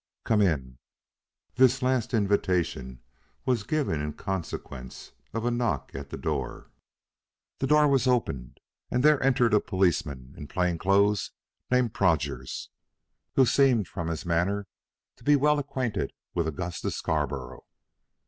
Come in." This last invitation was given in consequence of a knock at the door. The door was opened, and there entered a policeman in plain clothes named Prodgers, who seemed from his manner to be well acquainted with Augustus Scarborough.